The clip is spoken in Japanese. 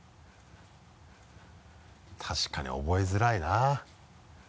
確かに覚えづらいな。